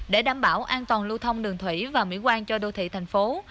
để đảm bảo an toàn lưu thông đường thủy và mỹ quan cho đô thị tp hcm